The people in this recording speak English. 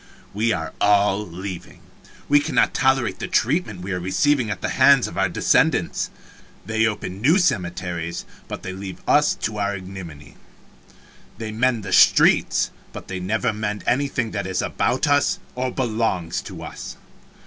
We are all leaving. We cannot tolerate the treatment we are receiving at the hands of our descendants. They open new cemeteries, but they leave us to our ignominy. They mend the streets, but they never mend anything that is about us or belongs to us.